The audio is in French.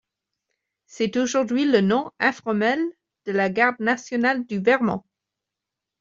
C'est aujourd'hui le nom informel de la Garde nationale du Vermont.